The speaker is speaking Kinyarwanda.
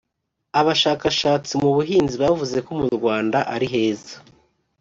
abashakashatsi mu buhinzi bavuze ko mu Rwanda ari heza